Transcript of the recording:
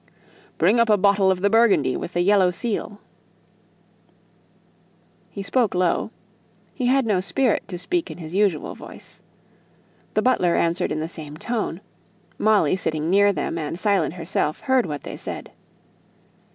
"Bring up a bottle of the Burgundy with the yellow seal." He spoke low; he had no spirit to speak in his usual voice. The butler answered in the same tone. Molly sitting near them, and silent herself, heard what they said.